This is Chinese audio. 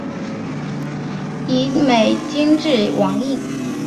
汉倭奴国王印是东汉光武帝颁授给其属国倭奴国的一枚金制王印。